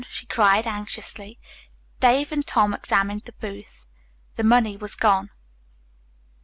she cried anxiously. David and Tom examined the booth. The money was gone.